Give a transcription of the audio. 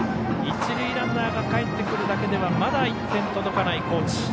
一塁ランナーがかえってくるだけではまだ１点届かない高知。